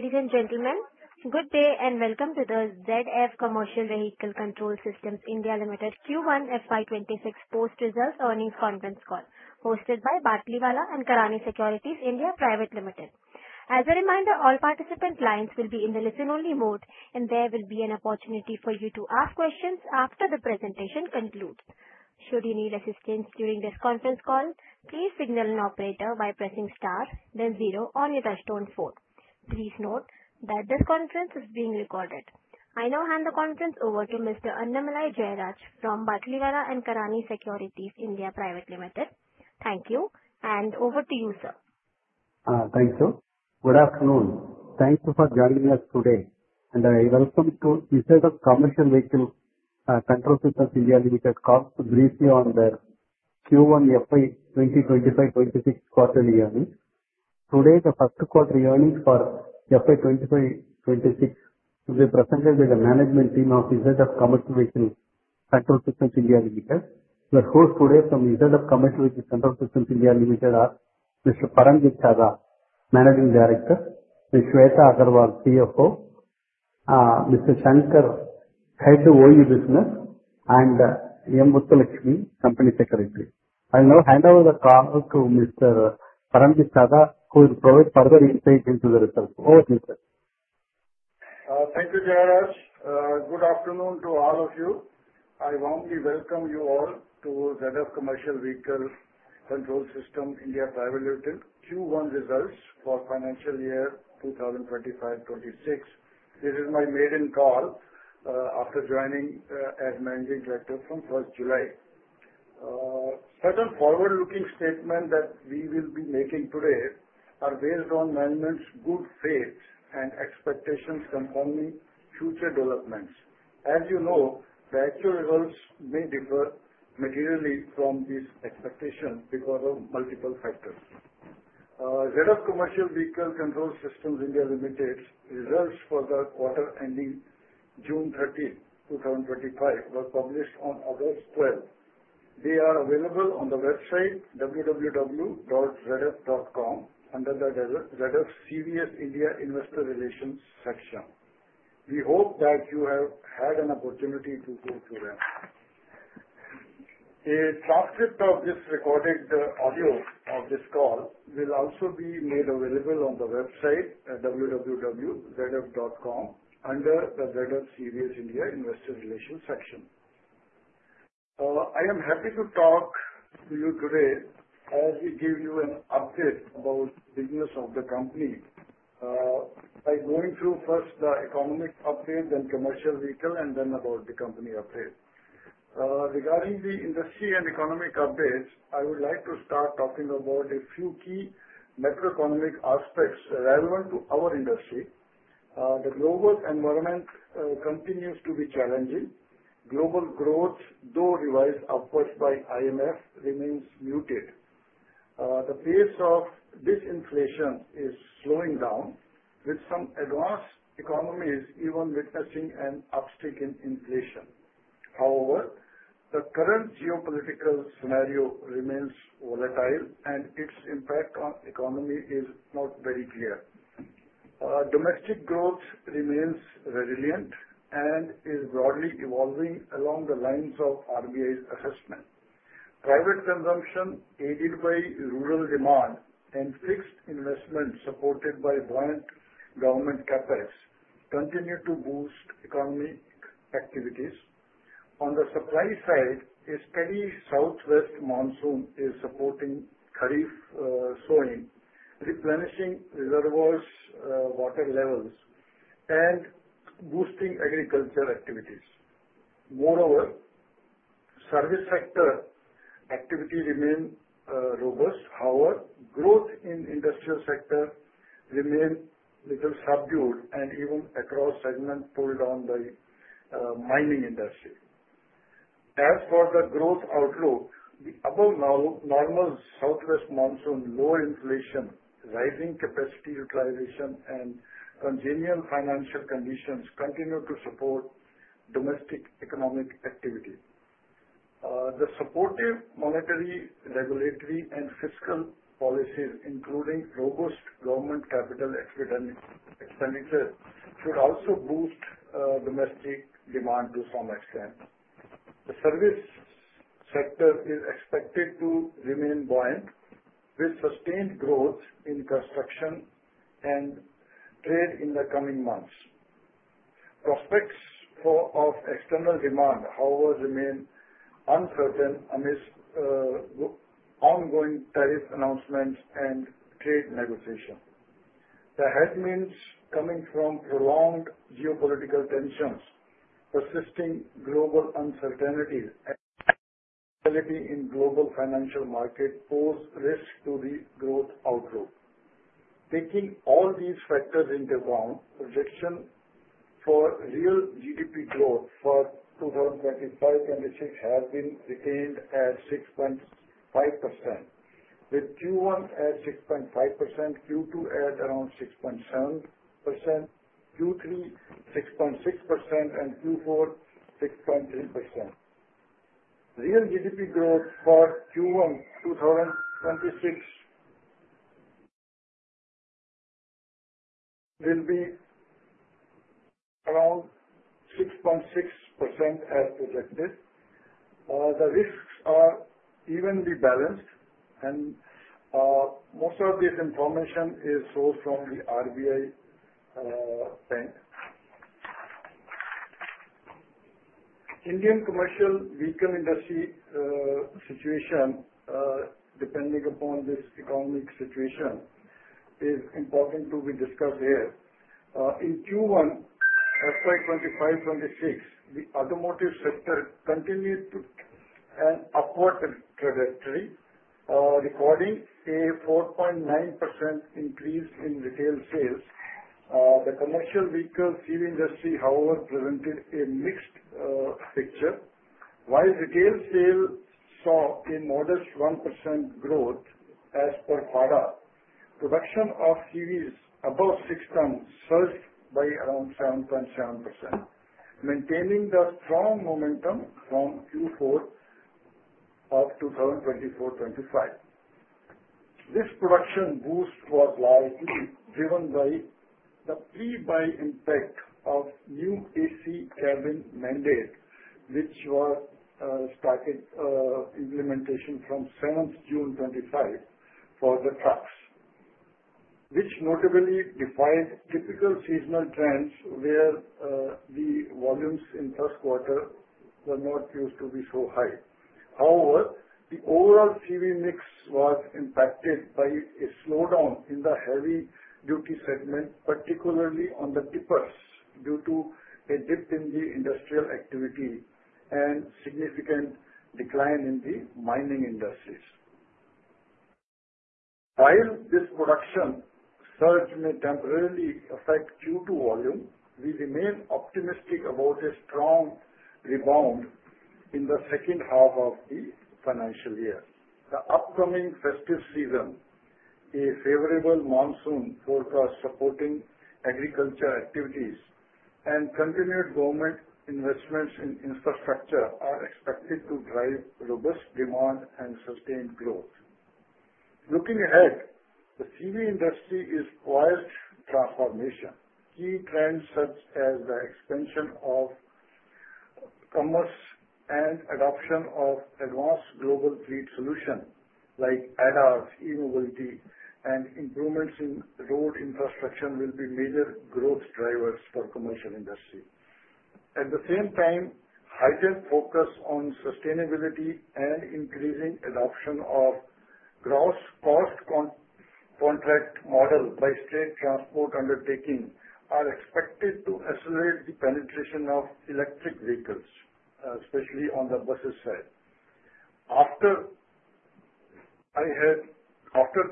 Ladies and gentlemen, good day and welcome to the ZF Commercial Vehicle Control Systems India Limited Q1 FY2026 Post Results Earnings Conference Call, hosted by Batlivala and Karani Securities India Private Limited. As a reminder, all participant lines will be in the listen-only mode, and there will be an opportunity for you to ask questions after the presentation concludes. Should you need assistance during this conference call, please signal an operator by pressing star, then zero on your touch-tone phone. Please note that this conference is being recorded. I now hand the conference over to Mr. Annamalai Jayaraj from Batlivala and Karani Securities India Private Limited. Thank you, and over to you, sir. Thank you. Good afternoon. Thank you for joining us today, and I welcome you to ZF Commercial Vehicle Control Systems India Limited, comes to greet you on the Q1 FY2025-2026 quarterly earnings. Today, the Q1 earnings for FY2025-2026 will be presented by the management team of ZF Commercial Vehicle Control Systems India Limited. We are hosted today from ZF Commercial Vehicle Control Systems India Limited, Mr. Paramjit Chadha, Managing Director, Ms. Sweta Agarwal, CFO, Mr. P. Shankar, Head of OE Business, and M. Muthulakshmi, Company Secretary. I'll now hand over the call to Mr. Paramjit Chadha, who will provide further insight into the results. Over to you, sir. Thank you, Jayaraj. Good afternoon to all of you. I warmly welcome you all to ZF Commercial Vehicle Control Systems India Limited Q1 results for financial year 2025-2026. This is my maiden call after joining as Managing Director from one July. Certain forward-looking statements that we will be making today are based on management's good faith and expectations concerning future developments. As you know, the actual results may differ materially from these expectations because of multiple factors. ZF Commercial Vehicle Control Systems India Limited's results for the quarter ending June 13, 2025, were published on August 12. They are available on the website, www.zf.com, under the ZF CVS India Investor Relations section. We hope that you have had an opportunity to go through them. A transcript of this recorded audio of this call will also be made available on the website, www.zf.com, under the ZF CVS India Investor Relations section. I am happy to talk to you today as we give you an update about the business of the company by going through first the economic update, then commercial vehicle, and then about the company update. Regarding the industry and economic updates, I would like to start talking about a few key macroeconomic aspects relevant to our industry. The global environment continues to be challenging. Global growth, though revised upward by IMF, remains muted. The pace of disinflation is slowing down, with some advanced economies even witnessing an uptick in inflation. However, the current geopolitical scenario remains volatile, and its impact on the economy is not very clear. Domestic growth remains resilient and is broadly evolving along the lines of RBI's assessment. Private consumption, aided by rural demand and fixed investment supported by buoyant government CapEx, continue to boost economic activities. On the supply side, a steady southwest monsoon is supporting Kharif sowing, replenishing reservoir water levels, and boosting agricultural activities. Moreover, service sector activity remains robust. However, growth in the industrial sector remains a little subdued, and uneven across segments pulled down by the mining industry. As for the growth outlook, the above-normal southwest monsoon, low inflation, rising capacity utilization, and benign financial conditions continue to support domestic economic activity. The supportive monetary, regulatory, and fiscal policies, including robust government capital expenditure, should also boost domestic demand to some extent. The service sector is expected to remain buoyant, with sustained growth in construction and trade in the coming months. Prospects of external demand, however, remain uncertain amidst ongoing tariff announcements and trade negotiations. The headwinds coming from prolonged geopolitical tensions, persisting global uncertainties, and volatility in global financial markets pose risks to the growth outlook. Taking all these factors into account, projections for real GDP growth for 2025-2026 have been retained at 6.5%, with Q1 at 6.5%, Q2 at around 6.7%, Q3 6.6%, and Q4 6.3%. Real GDP growth for Q1 2026 will be around 6.6% as projected. The risks are evenly balanced, and most of this information is sourced from the RBI bank. Indian commercial vehicle industry situation, depending upon this economic situation, is important to be discussed here. In Q1 FY2025-2026, the automotive sector continued to an upward trajectory, recording a 4.9% increase in retail sales. The commercial vehicle CV industry, however, presented a mixed picture, while retail sales saw a modest 1% growth as per FADA. Production of CVs above six tons surged by around 7.7%, maintaining the strong momentum from Q4 of 2024-2025. This production boost was largely driven by the pre-buy impact of new AC cabin mandate, which was started implementation from 7 June 2025 for the trucks, which notably defied typical seasonal trends where the volumes in first quarter were not used to be so high. However, the overall CV mix was impacted by a slowdown in the heavy-duty segment, particularly on the tippers due to a dip in the industrial activity and significant decline in the mining industries. While this production surge may temporarily affect Q2 volume, we remain optimistic about a strong rebound in the second half of the financial year. The upcoming festive season, a favorable monsoon forecast supporting agricultural activities and continued government investments in infrastructure are expected to drive robust demand and sustained growth. Looking ahead, the CV industry is poised for transformation. Key trends such as the expansion of commerce and adoption of advanced global fleet solutions like ADAS, e-mobility, and improvements in road infrastructure will be major growth drivers for the commercial industry. At the same time, heightened focus on sustainability and increasing adoption of the gross cost contract model by state transport undertaking are expected to accelerate the penetration of electric vehicles, especially on the buses side. After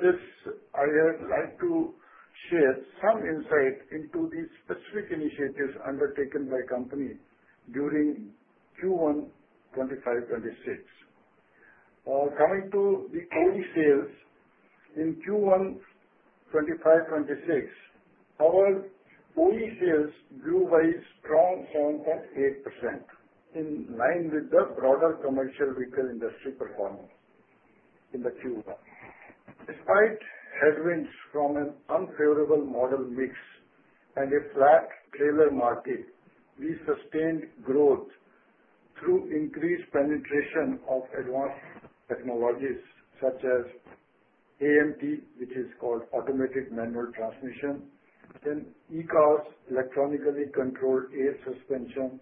this, I would like to share some insight into the specific initiatives undertaken by the company during Q1 25-26. Coming to the OE sales, in Q1 25-26, our OE sales grew by a strong 7.8%, in line with the broader commercial vehicle industry performance in Q1. Despite headwinds from an unfavorable model mix and a flat trailer market, we sustained growth through increased penetration of advanced technologies such as AMT, which is called Automated Manual Transmission, then ECAS, electronically controlled air suspension,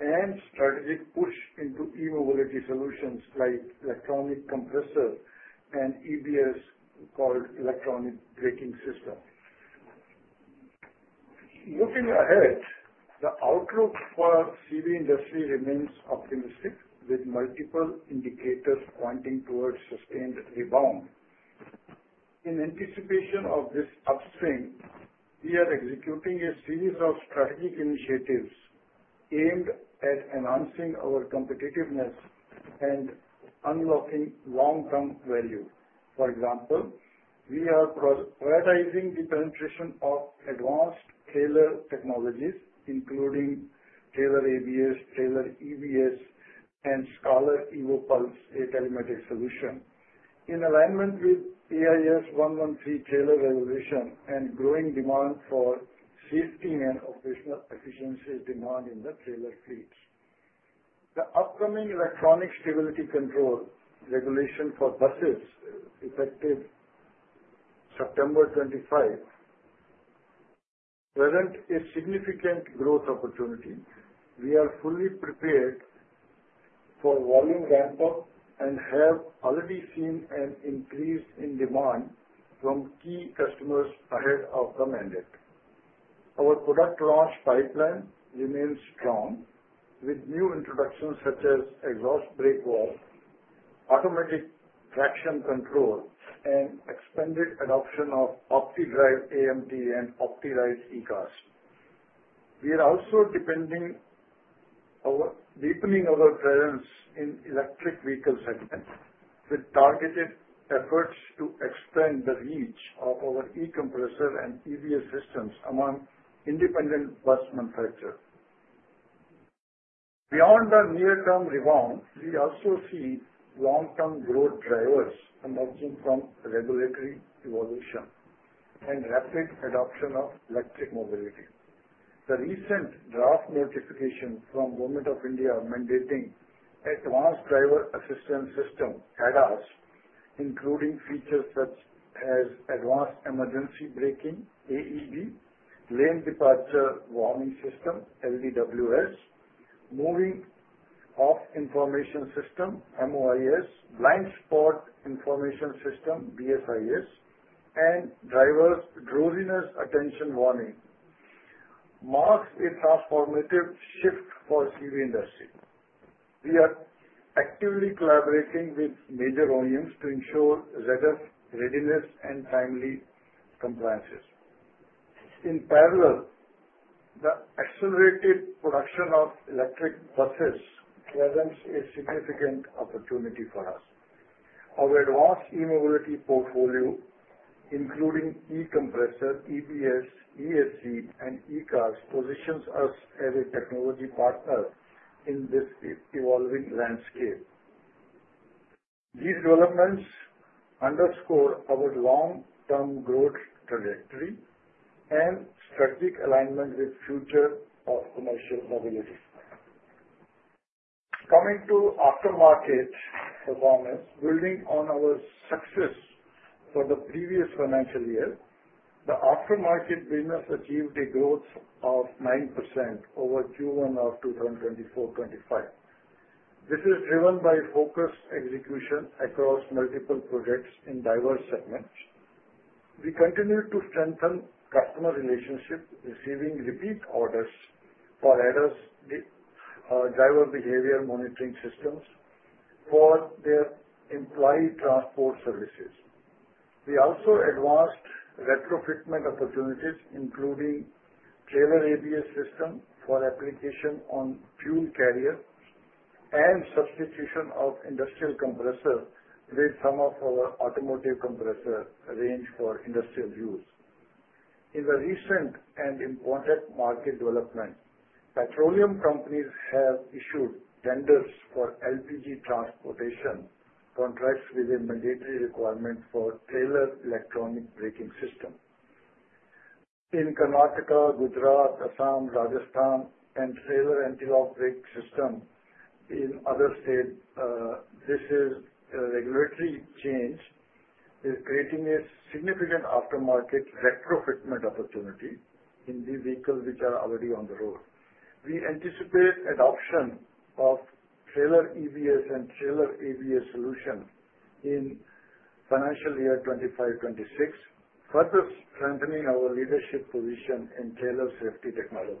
and strategic push into e-mobility solutions like electronic compressors and EBS, called Electronic Braking System. Looking ahead, the outlook for the CV industry remains optimistic, with multiple indicators pointing towards sustained rebound. In anticipation of this upswing, we are executing a series of strategic initiatives aimed at enhancing our competitiveness and unlocking long-term value. For example, we are prioritizing the penetration of advanced trailer technologies, including trailer ABS, trailer EBS, and Scalar EvoPulse telematics solution, in alignment with AIS 113 trailer regulation and growing demand for safety and operational efficiency demand in the trailer fleets. The upcoming Electronic Stability Control regulation for buses effective September 25 presented a significant growth opportunity. We are fully prepared for volume ramp-up and have already seen an increase in demand from key customers ahead of the mandate. Our product launch pipeline remains strong, with new introductions such as exhaust brake valves, automatic traction control, and expanded adoption of OptiDrive AMT and OptiRide ECAS. We are also deepening our presence in the electric vehicle segment, with targeted efforts to expand the reach of our eCompressor and EBS systems among independent bus manufacturers. Beyond the near-term rebound, we also see long-term growth drivers emerging from regulatory evolution and rapid adoption of electric mobility. The recent draft notification from Government of India mandating Advanced Driver Assistance System (ADAS), including features such as Advanced Emergency Braking (AEB), Lane Departure Warning System (LDWS), Moving Off Information System (MOIS), Blind Spot Information System (BSIS), and Driver Drowsiness and Attention Warning, marks a transformative shift for the CV industry. We are actively collaborating with major OEMs to ensure ZF's readiness and timely compliance. In parallel, the accelerated production of electric buses presents a significant opportunity for us. Our advanced e-mobility portfolio, including eCompressor, EBS, ESC, and ECAS, positions us as a technology partner in this evolving landscape. These developments underscore our long-term growth trajectory and strategic alignment with the future of commercial mobility. Coming to aftermarket performance, building on our success for the previous financial year, the aftermarket business achieved a growth of 9% over Q1 of 2024-2025. This is driven by focused execution across multiple projects in diverse segments. We continue to strengthen customer relationships, receiving repeat orders for ADAS driver behavior monitoring systems for their employee transport services. We also advanced retrofitment opportunities, including trailer ABS system for application on fuel carriers and substitution of industrial compressors with some of our automotive compressor range for industrial use. In the recent and important market developments, petroleum companies have issued tenders for LPG transportation contracts with a mandatory requirement for trailer electronic braking systems. In Karnataka, Gujarat, Assam, Rajasthan, and trailer anti-lock brake systems in other states, this regulatory change is creating a significant aftermarket retrofitment opportunity in the vehicles which are already on the road. We anticipate the adoption of trailer EBS and trailer ABS solutions in financial year 2025-2026, further strengthening our leadership position in trailer safety technology.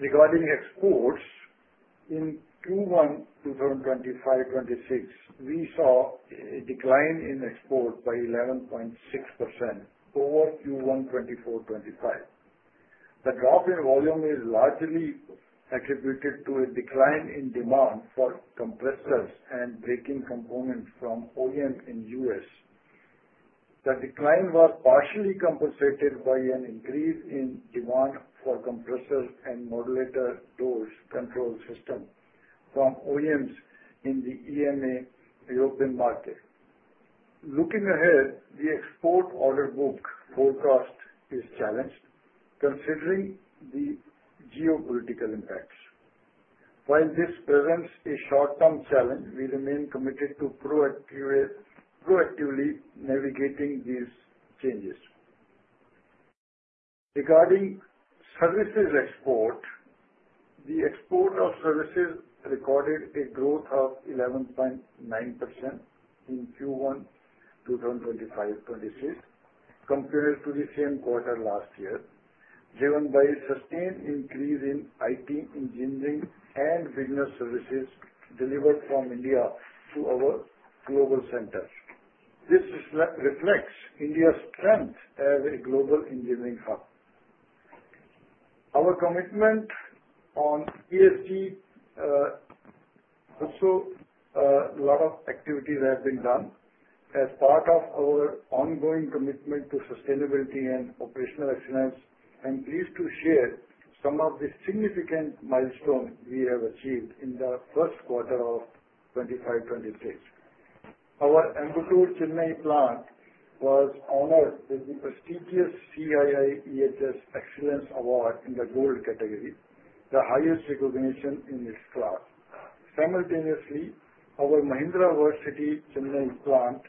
Regarding exports, in Q1 2025-2026, we saw a decline in exports by 11.6% over Q1 2024-2025. The drop in volume is largely attributed to a decline in demand for compressors and braking components from OEMs in the U.S. The decline was partially compensated by an increase in demand for compressors and door control systems from OEMs in the EMA European market. Looking ahead, the export order book forecast is challenged, considering the geopolitical impacts. While this presents a short-term challenge, we remain committed to proactively navigating these changes. Regarding services export, the export of services recorded a growth of 11.9% in Q1 2025-2026 compared to the same quarter last year, driven by a sustained increase in IT engineering and business services delivered from India to our global centers. This reflects India's strength as a global engineering hub. Our commitment on ESC. Also, a lot of activities have been done as part of our ongoing commitment to sustainability and operational excellence. I'm pleased to share some of the significant milestones we have achieved in the first quarter of 2025-2026. Our Ambattur Chennai plant was honored with the prestigious CII EHS Excellence Award in the Gold category, the highest recognition in its class. Simultaneously, our Mahindra World City Chennai plant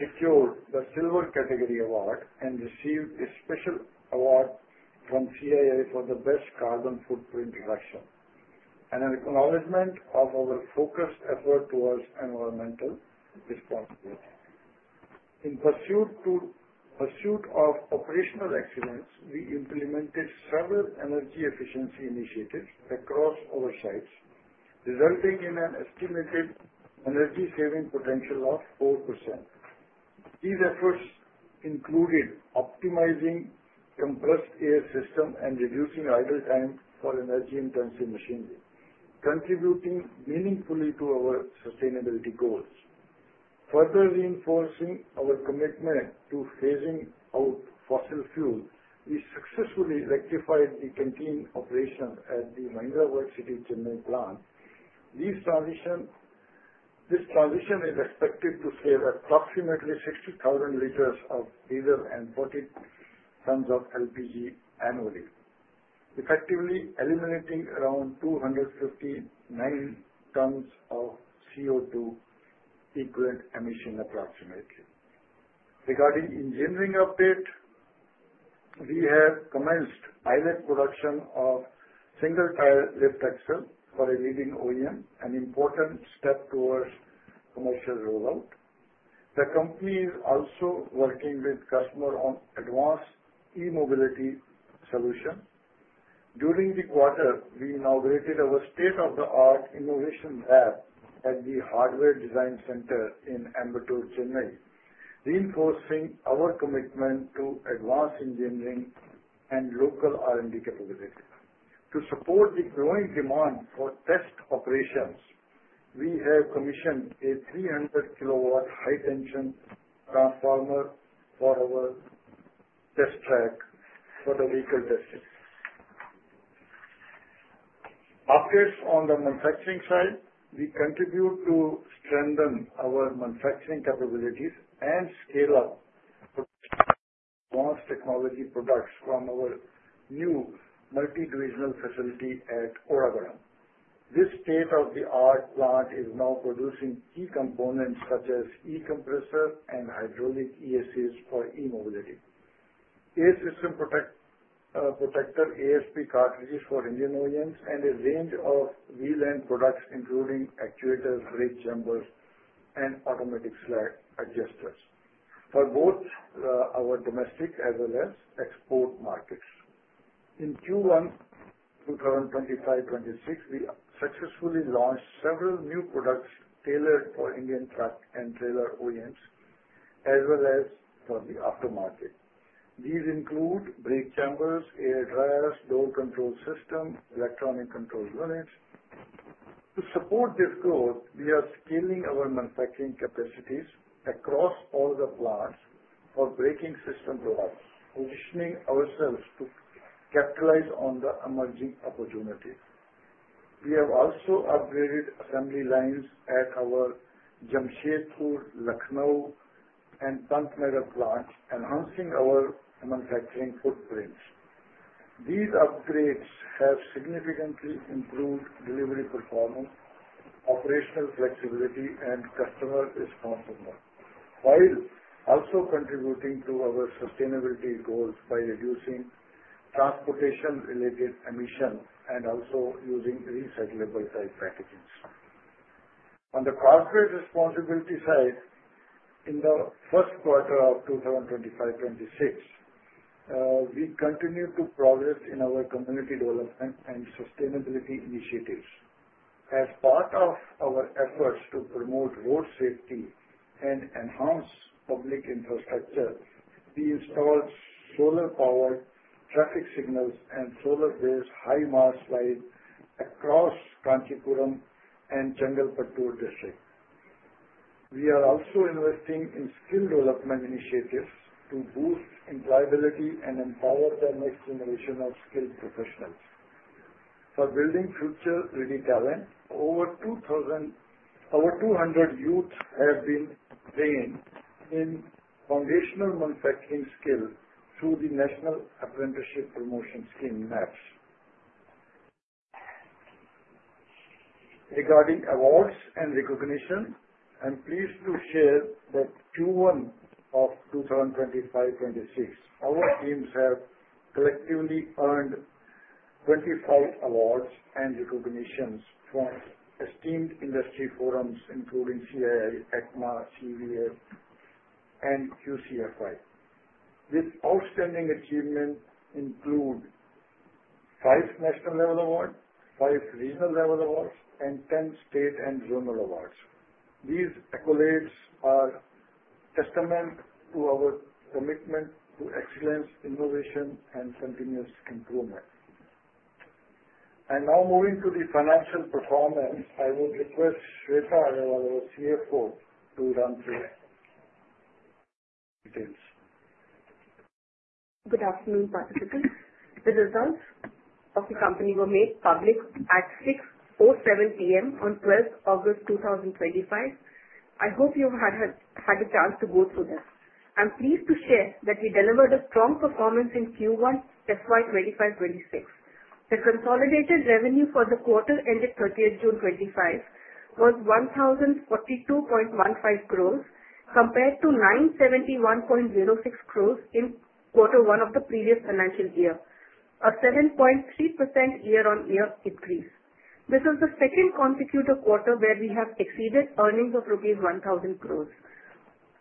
secured the Silver category award and received a special award from CII for the best carbon footprint reduction, an acknowledgment of our focused effort towards environmental responsibility. In pursuit of operational excellence, we implemented several energy efficiency initiatives across our sites, resulting in an estimated energy-saving potential of 4%. These efforts included optimizing compressed air systems and reducing idle time for energy-intensive machinery, contributing meaningfully to our sustainability goals. Further reinforcing our commitment to phasing out fossil fuels, we successfully electrified the canteen operations at the Mahindra World City Chennai plant. This transition is expected to save approximately 60,000 liters of diesel and 40 tons of LPG annually, effectively eliminating around 259 tons of CO2-equivalent emission approximately. Regarding engineering update, we have commenced pilot production of single-tier lift axle for a leading OEM, an important step towards commercial rollout. The company is also working with customers on advanced e-mobility solutions. During the quarter, we inaugurated our state-of-the-art innovation lab at the Hardware Design Center in Ambattur, Chennai, reinforcing our commitment to advanced engineering and local R&D capabilities. To support the growing demand for test operations, we have commissioned a 300 kilowatt high-tension transformer for our test track for the vehicle testing. Updates on the manufacturing side: we contribute to strengthen our manufacturing capabilities and scale up advanced technology products from our new multi-divisional facility at Oragadam. This state-of-the-art plant is now producing key components such as eCompressor and hydraulic ESCs for e-mobility, air system protector ASP cartridges for engine OEMs, and a range of wheel end products, including actuators, brake chambers, and automatic slack adjusters, for both our domestic as well as export markets. In Q1 2025-2026, we successfully launched several new products tailored for Indian truck and trailer OEMs, as well as for the aftermarket. These include brake jumpers, air dryers, door control systems, and electronic control units. To support this growth, we are scaling our manufacturing capacities across all the plants for braking system products, positioning ourselves to capitalize on the emerging opportunities. We have also upgraded assembly lines at our Jamshedpur, Lucknow, and Pantnagar plants, enhancing our manufacturing footprints. These upgrades have significantly improved delivery performance, operational flexibility, and customer responsiveness, while also contributing to our sustainability goals by reducing transportation-related emissions and also using recyclable-type packages. On the corporate responsibility side, in the first quarter of 2025-2026, we continue to progress in our community development and sustainability initiatives. As part of our efforts to promote road safety and enhance public infrastructure, we installed solar-powered traffic signals and solar-based high-mast lines across Kanchipuram and Chengalpattu districts. We are also investing in skill development initiatives to boost employability and empower the next generation of skilled professionals. For building future-ready talent, over 200 youths have been trained in foundational manufacturing skills through the National Apprenticeship Promotion Scheme (NAPS). Regarding awards and recognition, I'm pleased to share that Q1 of 2025-2026, our teams have collectively earned 25 awards and recognitions from esteemed industry forums, including CII, ACMA, CVA, and QCFI. These outstanding achievements include five national-level awards, five regional-level awards, and 10 state and zonal awards. These accolades are a testament to our commitment to excellence, innovation, and continuous improvement. And now, moving to the financial performance, I would request Sweta Agarwal, CFO, to run through the details. Good afternoon, participants. The results of the company were made public at 6:07 P.M. on 12 August 2025. I hope you have had a chance to go through them. I'm pleased to share that we delivered a strong performance in Q1 FY 2025-2026. The consolidated revenue for the quarter ended 30 June 2025 was 1,042.15 crores, compared to 971.06 crores in quarter one of the previous financial year, a 7.3% year-on-year increase. This is the second consecutive quarter where we have exceeded earnings of rupees 1,000 crores.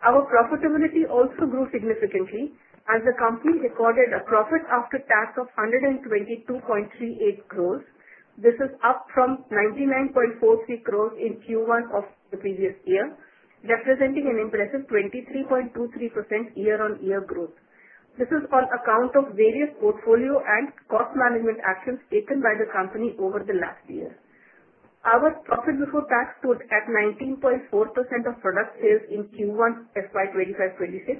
Our profitability also grew significantly, as the company recorded a profit after tax of 122.38 crores. This is up from 99.43 crores in Q1 of the previous year, representing an impressive 23.23% year-on-year growth. This is on account of various portfolio and cost management actions taken by the company over the last year. Our profit before tax stood at 19.4% of product sales in Q1 FY 2025-2026,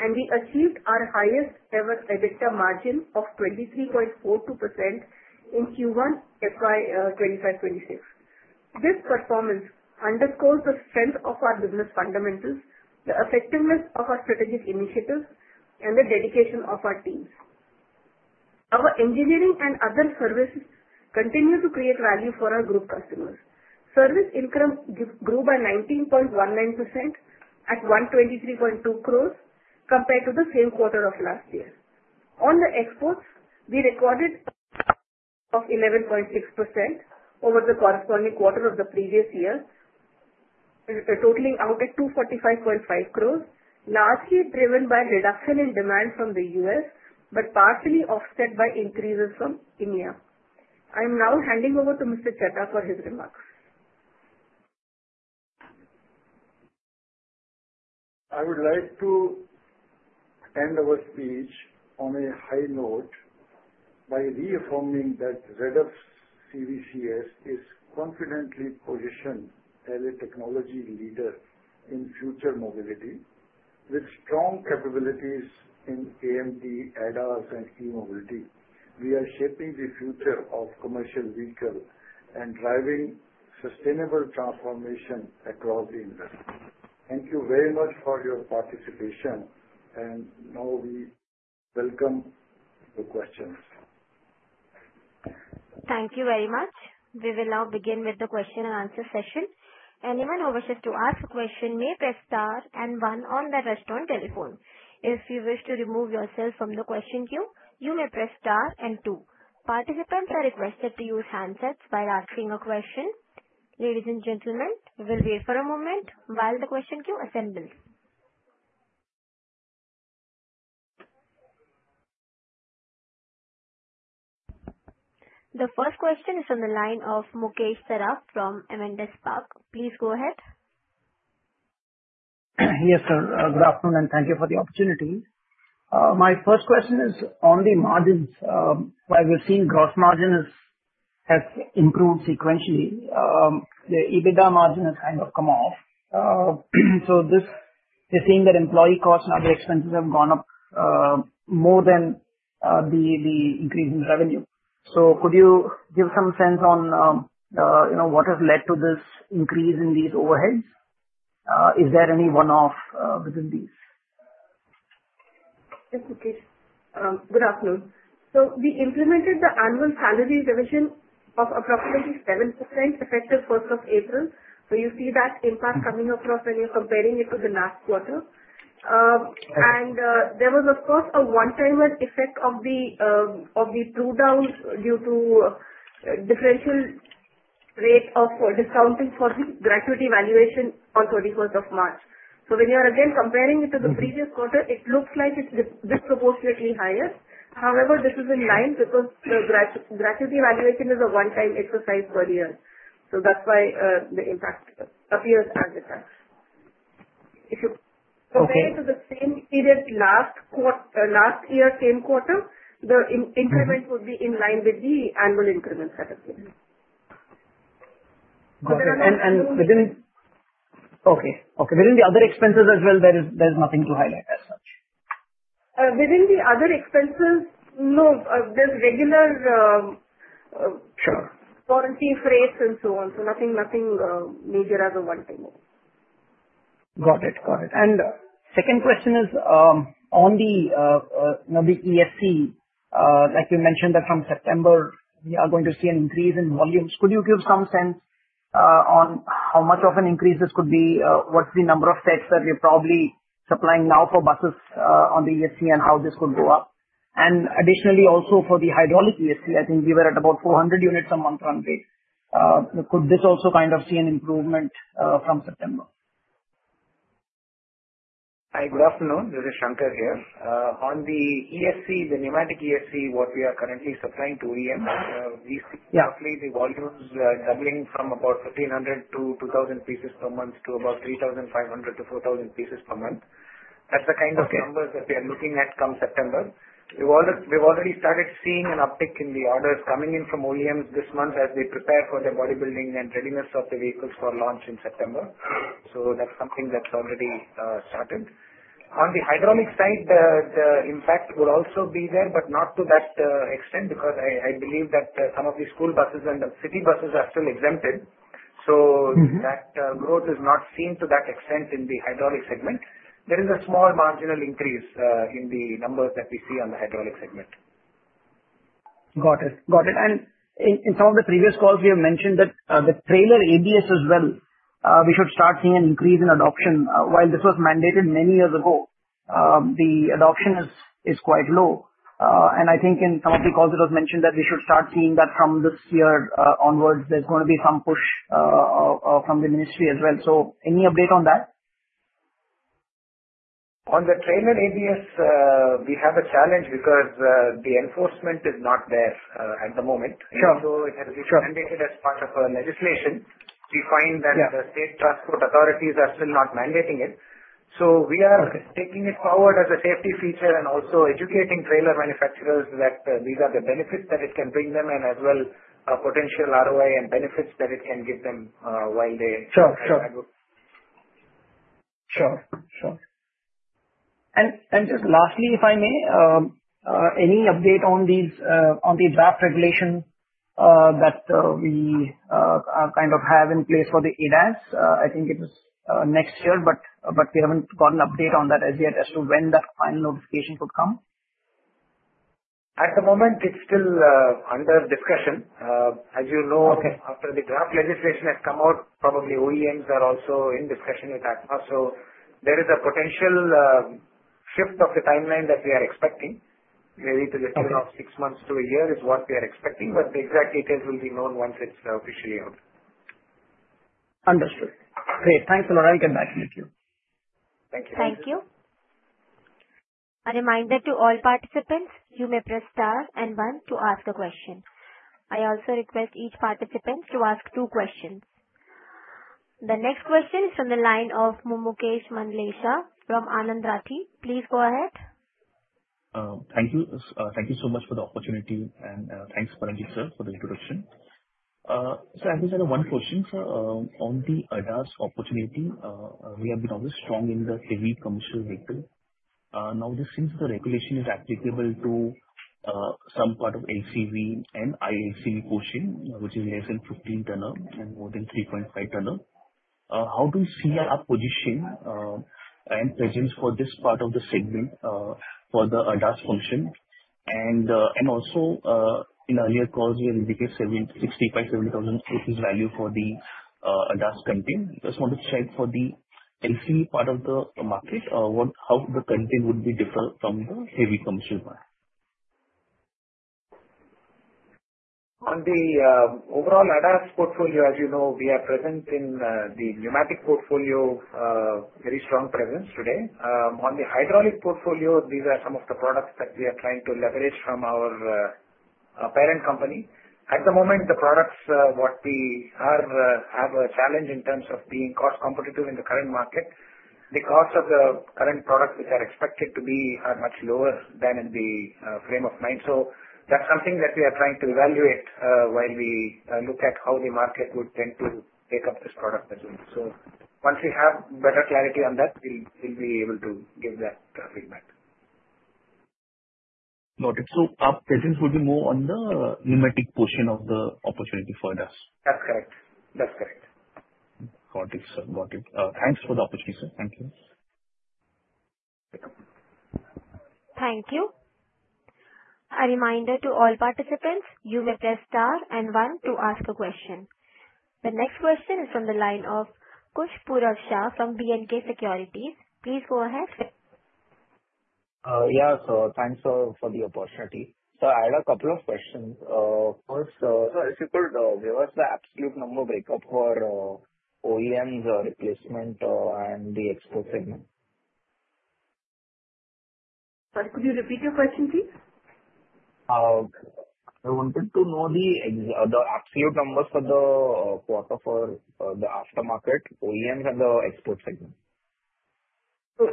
and we achieved our highest-ever EBITDA margin of 23.42% in Q1 FY 2025-2026. This performance underscores the strength of our business fundamentals, the effectiveness of our strategic initiatives, and the dedication of our teams. Our engineering and other services continue to create value for our group customers. Service income grew by 19.19% at 123.2 crores compared to the same quarter of last year. On the exports, we recorded a growth of 11.6% over the corresponding quarter of the previous year, totaling out at 245.5 crores, largely driven by a reduction in demand from the U.S. but partially offset by increases from India. I'm now handing over to Ms. Sweta Agarwal for her remarks. I would like to end our speech on a high note by reaffirming that ZF CVCS is confidently positioned as a technology leader in future mobility. With strong capabilities in AMT, ADAS, and e-mobility, we are shaping the future of commercial vehicles and driving sustainable transformation across the industry. Thank you very much for your participation, and now we welcome the questions. Thank you very much. We will now begin with the question-and-answer session. Anyone who wishes to ask a question may press star and one on their touch-tone telephone. If you wish to remove yourself from the question queue, you may press star and two. Participants are requested to use handsets while answering a question. Ladies and gentlemen, we will wait for a moment while the question queue assembles. The first question is from the line of Mukesh Saraf from Avendus Spark. Please go ahead. Yes, sir. Good afternoon, and thank you for the opportunity. My first question is on the margins. While we've seen gross margins have improved sequentially, the EBITDA margin has kind of come off. So we're seeing that employee costs and other expenses have gone up more than the increase in revenue. So could you give some sense on what has led to this increase in these overheads? Is there any one-off within these? Yes, Mukesh. Good afternoon. So we implemented the annual salary revision of approximately 7% effective 1 April. So you see that impact coming across when you're comparing it to the last quarter. And there was, of course, a one-time effect of the write-down due to differential rate of discounting for the gratuity valuation on 31 March. So when you are again comparing it to the previous quarter, it looks like it's disproportionately higher. However, this is in line because the gratuity valuation is a one-time exercise per year. So that's why the impact appears as such. If you compare it to the same period last year, same quarter, the increment would be in line with the annual increment setup. Okay. Okay. Within the other expenses as well, there's nothing to highlight as such? Within the other expenses, no. There's regular warranty freights and so on. So nothing major as a one-time one. Got it. Got it. And second question is on the ESC. Like you mentioned that from September, we are going to see an increase in volumes. Could you give some sense on how much of an increase this could be? What's the number of sets that we're probably supplying now for buses on the ESC and how this could go up? And additionally, also for the hydraulic ESC, I think we were at about 400 units a month run rate. Could this also kind of see an improvement from September? Hi. Good afternoon. This is Shankar here. On the ESC, the pneumatic ESC, what we are currently supplying to OEMs, we see roughly the volumes doubling from about 1,500-2,000 pieces per month to about 3,500-4,000 pieces per month. That's the kind of numbers that we are looking at come September. We've already started seeing an uptick in the orders coming in from OEMs this month as they prepare for the bodybuilding and readiness of the vehicles for launch in September. So that's something that's already started. On the hydraulic side, the impact would also be there, but not to that extent because I believe that some of the school buses and the city buses are still exempted. So that growth is not seen to that extent in the hydraulic segment. There is a small marginal increase in the numbers that we see on the hydraulic segment. Got it. Got it. And in some of the previous calls, we have mentioned that the trailer ABS as well, we should start seeing an increase in adoption. While this was mandated many years ago, the adoption is quite low. And I think in some of the calls, it was mentioned that we should start seeing that from this year onwards, there's going to be some push from the ministry as well. So any update on that? On the trailer ABS, we have a challenge because the enforcement is not there at the moment. And so it has been mandated as part of our legislation. We find that the state transport authorities are still not mandating it. So we are taking it forward as a safety feature and also educating trailer manufacturers that these are the benefits that it can bring them, and as well potential ROI and benefits that it can give them while they are on the road. Sure. And just lastly, if I may, any update on the draft regulation that we kind of have in place for the ADAS? I think it was next year, but we haven't got an update on that as yet as to when that final notification could come. At the moment, it's still under discussion. As you know, after the draft legislation has come out, probably OEMs are also in discussion with ACMA. There is a potential shift of the timeline that we are expecting, maybe to the tune of six months to a year is what we are expecting, but the exact details will be known once it's officially out. Understood. Great. Thanks a lot. I'll get back in with you. Thank you. Thank you. A reminder to all participants, you may press star and one to ask a question. I also request each participant to ask two questions. The next question is from the line of Mumuksh Mandlesha from Anand Rathi. Please go ahead. Thank you. Thank you so much for the opportunity, and thanks, Paramjit, sir, for the introduction. So I have one question, sir. On the ADAS opportunity, we have been always strong in the heavy commercial vehicle. Now, this seems the regulation is applicable to some part of LCV and ILCV portion, which is less than 15 tonne and more than 3.5 tonne. How do you see our position and presence for this part of the segment for the ADAS function? And also, in earlier calls, we had indicated 65,000-70,000 crores rupees value for the ADAS content. Just want to check for the LCV part of the market, how the content would be different from the heavy commercial part. On the overall ADAS portfolio, as you know, we are present in the pneumatic portfolio, very strong presence today. On the hydraulic portfolio, these are some of the products that we are trying to leverage from our parent company. At the moment, the products what we have a challenge in terms of being cost competitive in the current market. The cost of the current products, which are expected to be, are much lower than in the frame of mind. So that's something that we are trying to evaluate while we look at how the market would tend to take up this product as well. So once we have better clarity on that, we'll be able to give that feedback. Got it. So our presence would be more on the pneumatic portion of the opportunity for ADAS. That's correct. That's correct. Got it, sir. Got it. Thanks for the opportunity, sir. Thank you. Thank you. A reminder to all participants, you may press star and one to ask a question. The next question is from the line of Khushbu Shah from Batlivala and Karani Securities. Please go ahead. Yeah. So thanks for the opportunity. So I had a couple of questions. First, sir, if you could give us the absolute number breakup for OEMs, replacement, and the export segment. Sorry, could you repeat your question, please? I wanted to know the absolute numbers for the quarter for the aftermarket, OEMs, and the export segment. So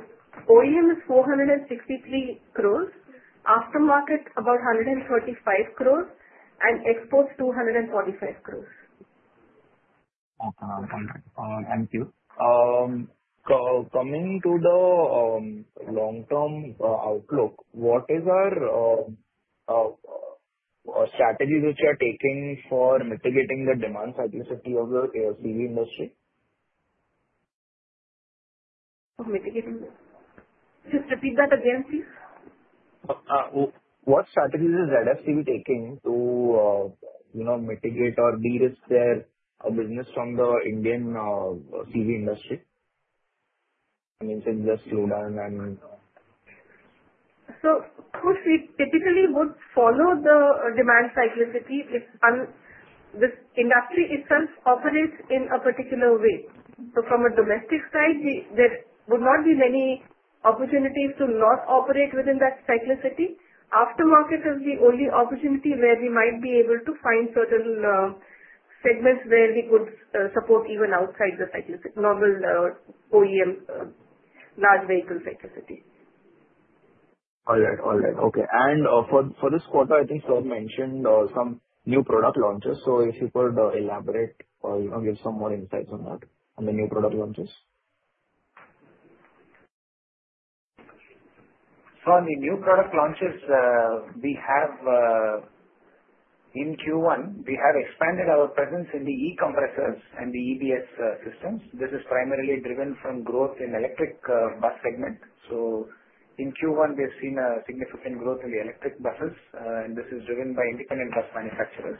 OEM is 463 crores, aftermarket about 135 crores, and exports 245 crores. Thank you. Coming to the long-term outlook, what is our strategy which you are taking for mitigating the demand cyclicity of the LCV industry? Just repeat that again, please. What strategies is ZF CV taking to mitigate or de-risk their business from the Indian CV industry? I mean, since the slowdown and. So Khushbu, we typically would follow the demand cyclicity if this industry itself operates in a particular way. So from a domestic side, there would not be many opportunities to not operate within that cyclicity. Aftermarket is the only opportunity where we might be able to find certain segments where we could support even outside the normal OEM large vehicle cyclicity. All right. All right. Okay. And for this quarter, I think sir mentioned some new product launches. So if you could elaborate or give some more insights on that, on the new product launches. So on the new product launches, in Q1, we have expanded our presence in the e-compressors and the EBS systems. This is primarily driven from growth in electric bus segment. So in Q1, we have seen a significant growth in the electric buses, and this is driven by independent bus manufacturers.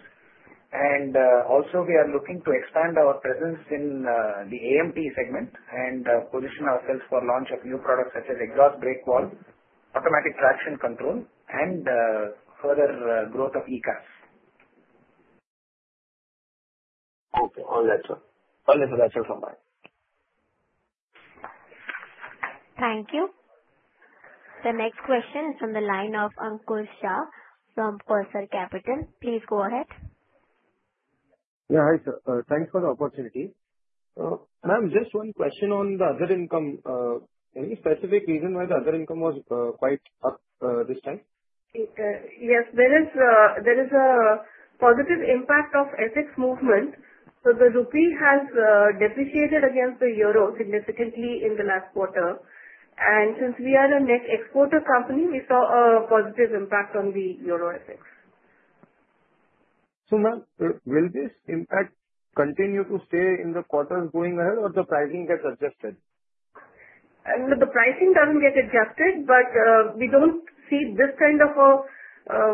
And also, we are looking to expand our presence in the AMT segment and position ourselves for launch of new products such as exhaust brake valve, automatic traction control, and further growth of ECAS. Okay. All right, sir. All right. That's it from my side. Thank you. The next question is from the line of Ankur Shah from Quasar Capital. Please go ahead. Yeah. Hi, sir. Thanks for the opportunity. Ma'am, just one question on the other income. Any specific reason why the other income was quite up this time? Yes. There is a positive impact of FX movement. So the rupee has depreciated against the euro significantly in the last quarter. And since we are a net exporter company, we saw a positive impact on the euro FX. So ma'am, will this impact continue to stay in the quarters going ahead, or the pricing gets adjusted? The pricing doesn't get adjusted, but we don't see this kind of a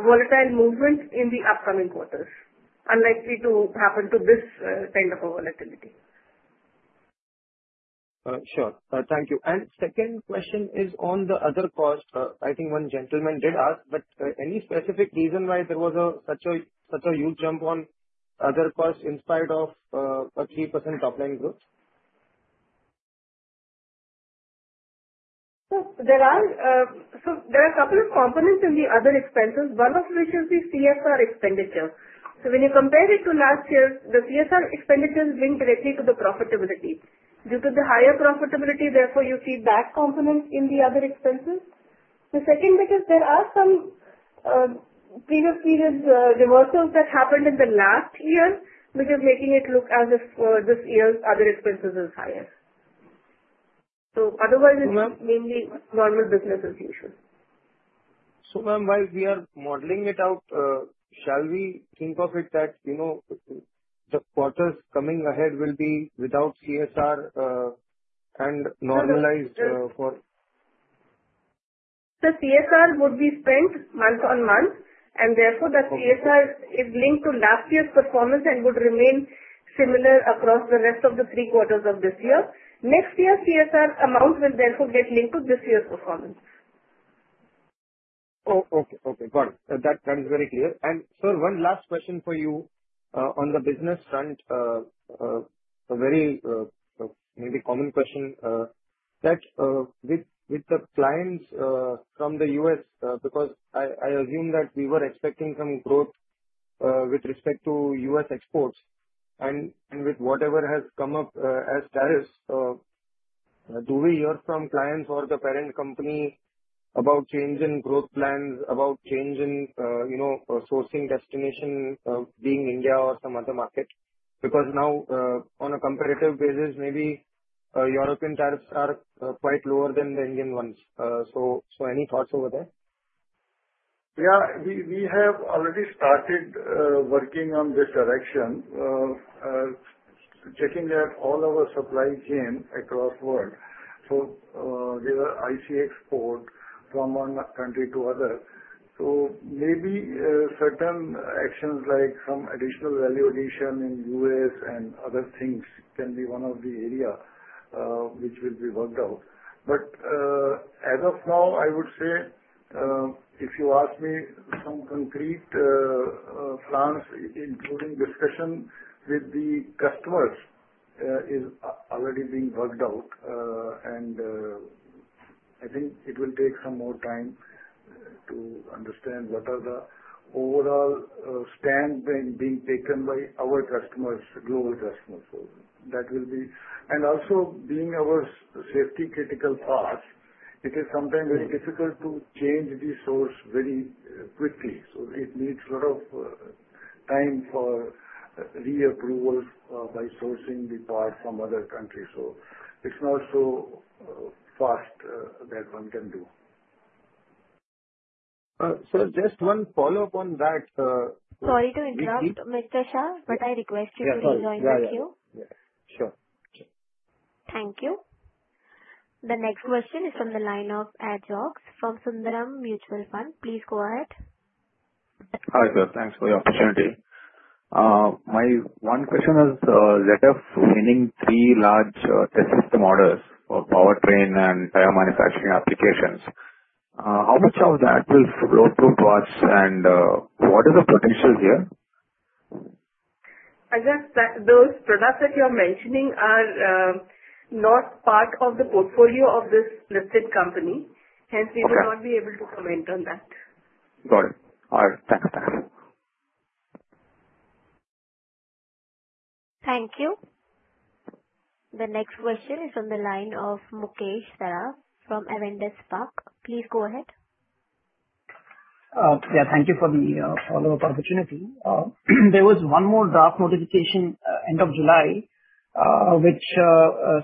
volatile movement in the upcoming quarters. Unlikely to happen to this kind of a volatility. Sure. Thank you. And second question is on the other cost. I think one gentleman did ask, but any specific reason why there was such a huge jump on other costs in spite of a 3% top-line growth? So there are a couple of components in the other expenses, one of which is the CSR expenditure. So when you compare it to last year, the CSR expenditure has been directly to the profitability. Due to the higher profitability, therefore you see that component in the other expenses. The second bit is there are some previous period reversals that happened in the last year, which is making it look as if this year's other expenses are higher. So otherwise, it's mainly normal business as usual. So ma'am, while we are modeling it out, shall we think of it that the quarters coming ahead will be without CSR and normalized for? The CSR would be spent month on month, and therefore the CSR is linked to last year's performance and would remain similar across the rest of the three quarters of this year. Next year, CSR amount will therefore get linked to this year's performance. Oh, okay. Okay. Got it. That is very clear. And sir, one last question for you on the business front, a very maybe common question, that with the clients from the U.S., because I assume that we were expecting some growth with respect to U.S. exports, and with whatever has come up as tariffs, do we hear from clients or the parent company about change in growth plans, about change in sourcing destination being India or some other market? Because now, on a comparative basis, maybe European tariffs are quite lower than the Indian ones. So any thoughts over there? Yeah. We have already started working on this direction, checking that all our supply chain across the world. So there are IC export from one country to other. So maybe certain actions like some additional value addition in the U.S. and other things can be one of the areas which will be worked out. But as of now, I would say, if you ask me, some concrete plans, including discussion with the customers, is already being worked out. And I think it will take some more time to understand what are the overall stand being taken by our customers, global customers. And also, being our safety critical part, it is sometimes very difficult to change the source very quickly. So it needs a lot of time for reapproval by sourcing the part from other countries. So it's not so fast that one can do. Sir, just one follow-up on that. Sorry to interrupt, Mr. Shah, but I request you to rejoin the queue. Yeah. Sure. Sure. Thank you. The next question is from the line of Adjocs from Sundaram Mutual Fund. Please go ahead. Hi, sir. Thanks for the opportunity. My one question is ZF winning three large test system orders for powertrain and tire manufacturing applications. How much of that will flow towards and what is the potential here? As I said, those products that you are mentioning are not part of the portfolio of this listed company. Hence, we will not be able to comment on that. Got it. All right. Thanks. Thanks. Thank you. The next question is from the line of Mukesh Saraf from Avendus Spark. Please go ahead. Yeah. Thank you for the follow-up opportunity. There was one more draft notification end of July, which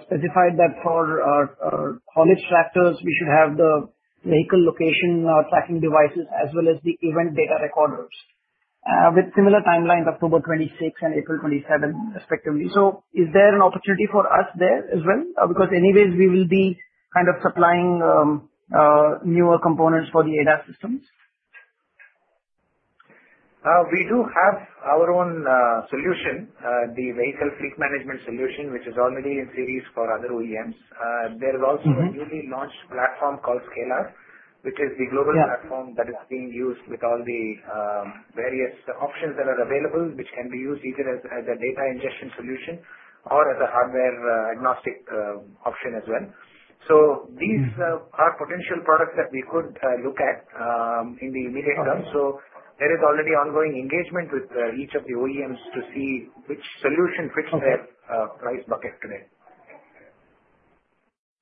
specified that for cargo tractors, we should have the vehicle location tracking devices as well as the event data recorders with similar timelines, October 26 and April 27 respectively. So is there an opportunity for us there as well? Because anyways, we will be kind of supplying newer components for the ADAS systems. We do have our own solution, the vehicle fleet management solution, which is already in series for other OEMs. There is also a newly launched platform called Scalar, which is the global platform that is being used with all the various options that are available, which can be used either as a data ingestion solution or as a hardware agnostic option as well. So these are potential products that we could look at in the immediate term. So there is already ongoing engagement with each of the OEMs to see which solution fits their price bucket today.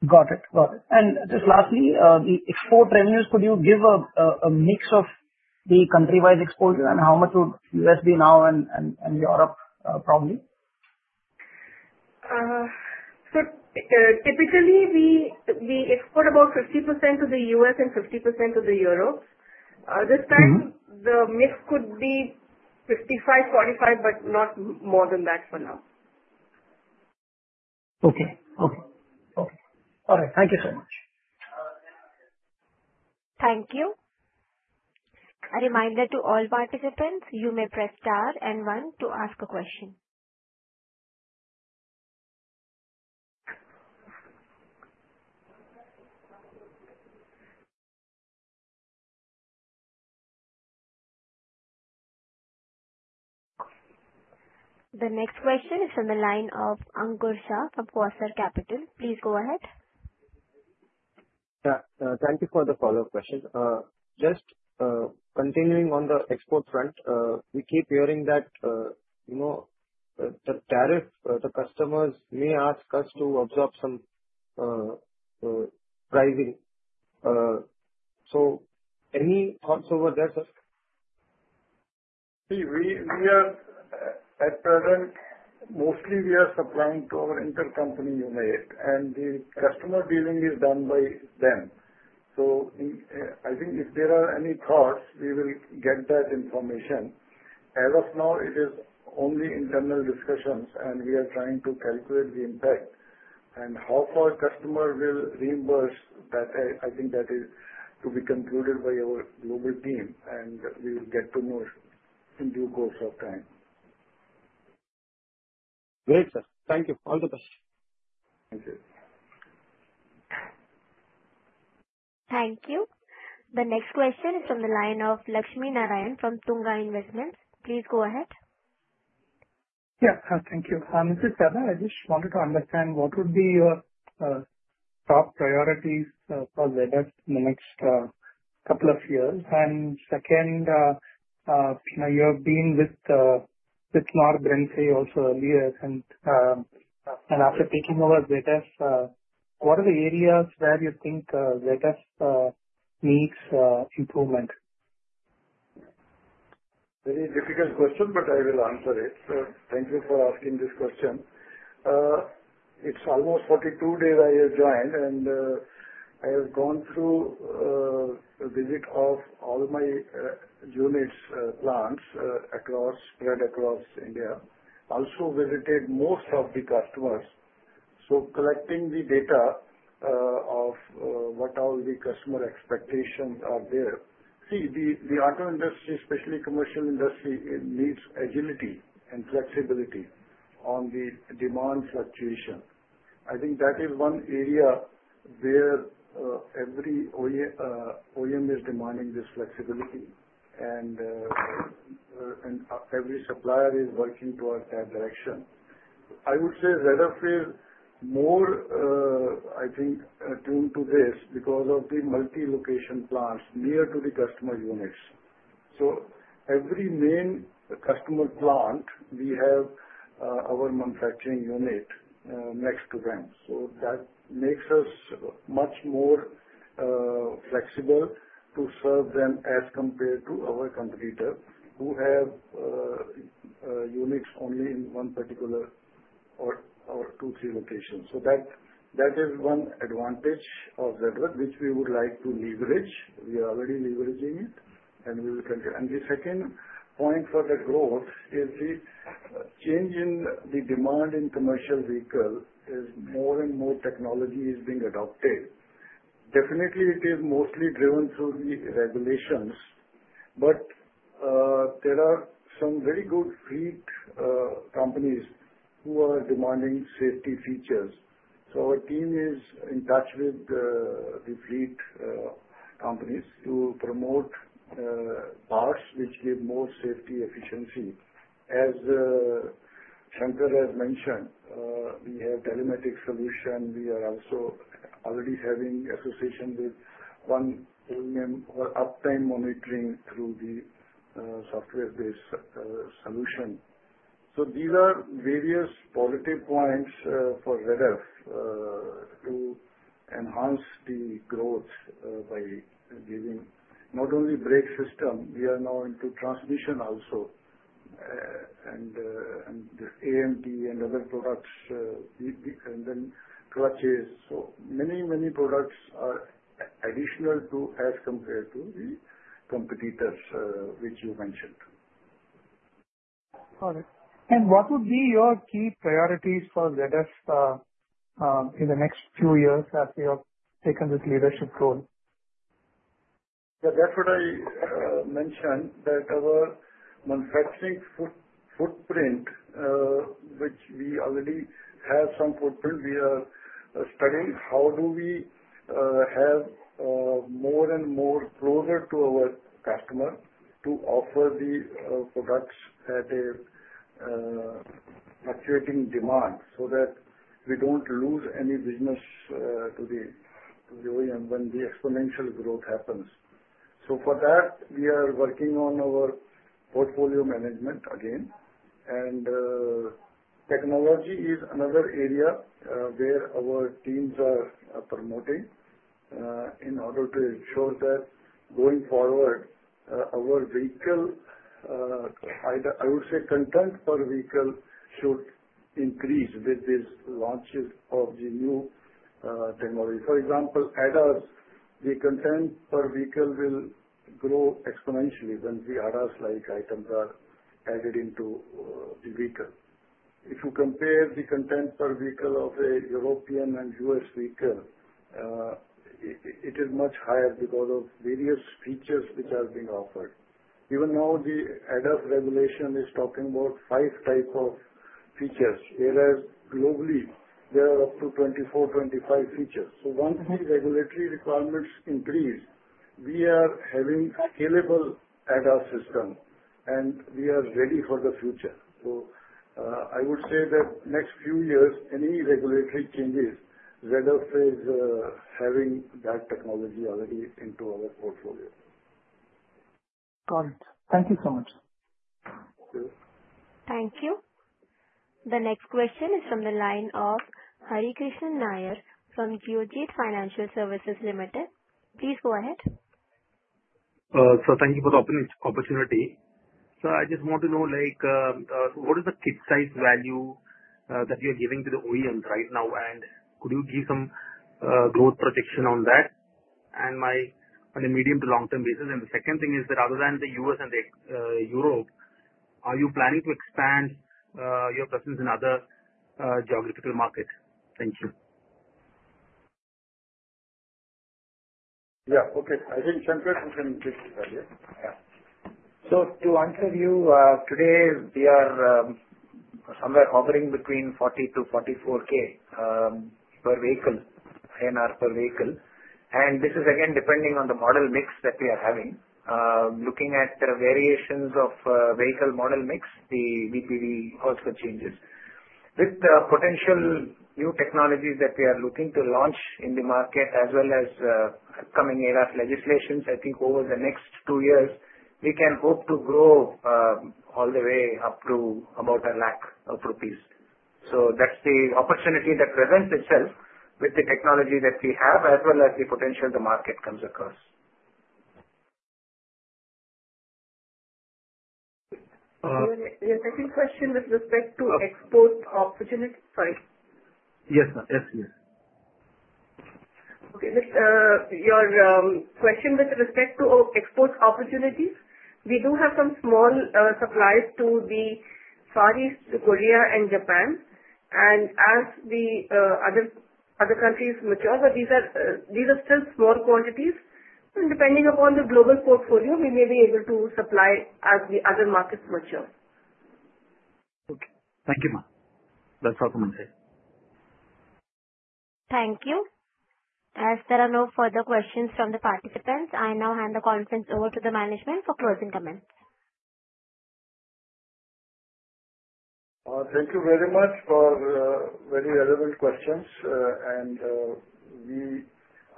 Got it. Got it. And just lastly, the export revenues, could you give a mix of the country-wise exposure and how much would US be now and Europe probably? So typically, we export about 50% to the US and 50% to the Europe. This time, the mix could be 55%-45%, but not more than that for now. Okay. Okay. Okay. All right. Thank you so much. Thank you. A reminder to all participants, you may press star and one to ask a question. The next question is from the line of Ankur Shah from Quasar Capital. Please go ahead. Yeah. Thank you for the follow-up question. Just continuing on the export front, we keep hearing that the tariff, the customers may ask us to absorb some pricing. So any thoughts over there, sir? See, we are at present, mostly we are supplying to our intercompany unit, and the customer dealing is done by them. So I think if there are any thoughts, we will get that information. As of now, it is only internal discussions, and we are trying to calculate the impact and how far customer will reimburse that. I think that is to be concluded by our global team, and we will get to know in due course of time. Great, sir. Thank you. All the best. Thank you. Thank you. The next question is from the line of Lakshmi Narayan from Tunga Investments. Please go ahead. Yeah. Thank you. Mr. Chadha, I just wanted to understand what would be your top priorities for ZF in the next couple of years. And second, you have been with Mark Burnsley also earlier, and after taking over ZF, what are the areas where you think ZF needs improvement? Very difficult question, but I will answer it. So thank you for asking this question. It's almost 42 days I have joined, and I have gone through a visit of all my units, plants spread across India. Also visited most of the customers. So collecting the data of what all the customer expectations are there. See, the auto industry, especially commercial industry, needs agility and flexibility on the demand fluctuation. I think that is one area where every OEM is demanding this flexibility, and every supplier is working towards that direction. I would say ZF is more, I think, attuned to this because of the multi-location plants near to the customer units. So every main customer plant, we have our manufacturing unit next to them. So that makes us much more flexible to serve them as compared to our competitors who have units only in one particular or two, three locations. So that is one advantage of ZF, which we would like to leverage. We are already leveraging it, and we will continue. And the second point for the growth is the change in the demand in commercial vehicles is more and more technology is being adopted. Definitely, it is mostly driven through the regulations, but there are some very good fleet companies who are demanding safety features. So our team is in touch with the fleet companies to promote parts which give more safety efficiency. As Shankar has mentioned, we have telematics solution. We are also already having association with one OEM for uptime monitoring through the software-based solution. So these are various positive points for ZF to enhance the growth by giving not only brake system, we are now into transmission also, and AMT and other products, and then clutches. So many, many products are additional to as compared to the competitors which you mentioned. Got it. And what would be your key priorities for ZF in the next few years after you have taken this leadership role? Yeah. That's what I mentioned, that our manufacturing footprint, which we already have some footprint, we are studying how do we have more and more closer to our customer to offer the products at a fluctuating demand so that we don't lose any business to the OEM when the exponential growth happens. So for that, we are working on our portfolio management again. And technology is another area where our teams are promoting in order to ensure that going forward, our vehicle, I would say, content per vehicle should increase with these launches of the new technology. For example, add-ons, the content per vehicle will grow exponentially when the add-ons like items are added into the vehicle. If you compare the content per vehicle of a European and US vehicle, it is much higher because of various features which are being offered. Even now, the ADAS regulation is talking about five types of features, whereas globally, there are up to 24, 25 features. So once the regulatory requirements increase, we are having scalable ADAS system, and we are ready for the future. So I would say that next few years, any regulatory changes, ZF is having that technology already into our portfolio. Got it. Thank you so much. Thank you. The next question is from the line of Harikrishnan Nair from Geojit Financial Services. Please go ahead. So thank you for the opportunity. So I just want to know, what is the kit size value that you are giving to the OEMs right now, and could you give some growth projection on that on a medium to long-term basis? And the second thing is that other than the US and Europe, are you planning to expand your presence in other geographical markets? Thank you. Yeah. Okay. I think Shankar can take this earlier. Yeah. So to answer you, today, we are somewhere hovering between 40,000 to 44,000 per vehicle, INR per vehicle. And this is again depending on the model mix that we are having. Looking at the variations of vehicle model mix, the VPV also changes. With the potential new technologies that we are looking to launch in the market as well as upcoming ADAS legislations, I think over the next two years, we can hope to grow all the way up to about a lakh of rupees. So that's the opportunity that presents itself with the technology that we have as well as the potential the market comes across. Your second question with respect to export opportunity? Sorry. Yes, sir. Yes, yes. Okay. Your question with respect to export opportunities, we do have some small supplies to the Far East, to Korea, and Japan. And as the other countries mature, but these are still small quantities. And depending upon the global portfolio, we may be able to supply as the other markets mature. Okay. Thank you, ma'am. That's all from my side. Thank you. As there are no further questions from the participants, I now hand the conference over to the management for closing comments. Thank you very much for very relevant questions, and we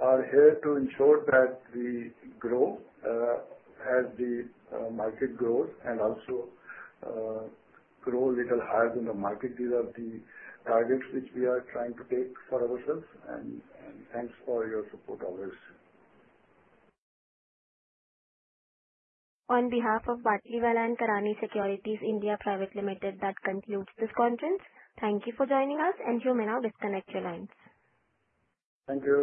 are here to ensure that we grow as the market grows and also grow a little higher than the market. These are the targets which we are trying to take for ourselves, and thanks for your support always. On behalf of Batlivala and Karani Securities India Private Limited, that concludes this conference. Thank you for joining us, and you may now disconnect your lines. Thank you.